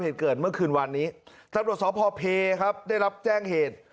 เหตุเกิดเมื่อคืนวันนี้ตำรวจสพเพครับได้รับแจ้งเหตุ